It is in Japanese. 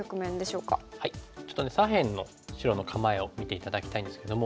ちょっとね左辺の白の構えを見て頂きたいんですけども。